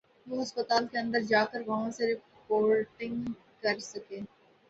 وہ ہسپتال کے اندر جا کر وہاں سے رپورٹنگ کر سکے۔